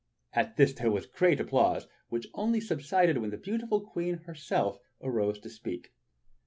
At this there was great applause, which only subsided when the beautiful Queen herself arose to speak.